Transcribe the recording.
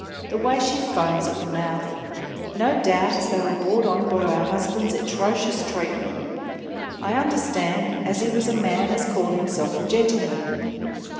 the way she foams at the mouth! No doubt as they was brought on by her 'usband's etrocious treatment. I understand as he was a man as called hisself a gentleman.